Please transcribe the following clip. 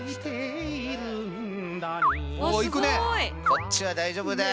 こっちは大丈夫だ。